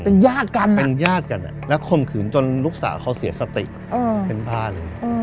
เป็นญาติกันเป็นญาติกันแล้วข่มขืนจนลูกสาวเขาเสียสติเป็นผ้าเลย